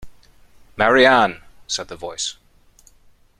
Mary Ann!’ said the voice.